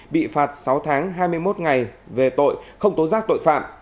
bị phạt sáu tháng hai mươi một ngày về tội không tố giác tội phạm